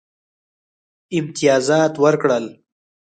امتیازات ورکړل.